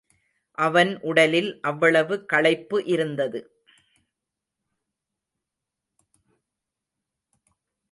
அவன் உடலில் அவ்வளவு களைப்பு இருந்தது.